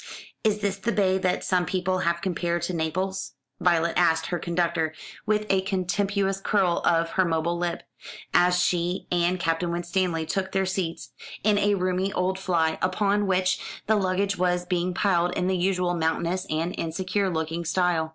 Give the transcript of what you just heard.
"Is this the bay that some people have compared to Naples?" Violet asked her conductor, with a contemptuous curl of her mobile lip, as she and Captain Winstanley took their seats in a roomy old fly, upon which the luggage was being piled in the usual mountainous and insecure looking style.